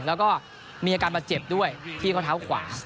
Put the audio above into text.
แล้วก็มีอาการบาดเจ็บด้วยที่ข้อเท้าขวา